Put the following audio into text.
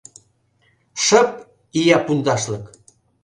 Шып, ия пундашлык!